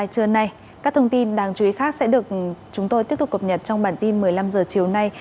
trưa nay các thông tin đáng chú ý khác sẽ được chúng tôi tiếp tục cập nhật trong bản tin một mươi năm h chiều nay